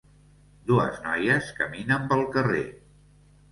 dues noies caminen pel carrer